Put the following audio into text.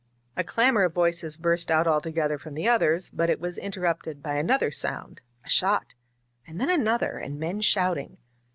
A clamor of voices burst out all together from the others, but it was interrupted by another sound — a shot, and then another, and men shouting.